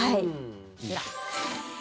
こちら。